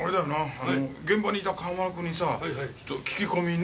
あの現場にいた川村君にさちょっと聞き込みに。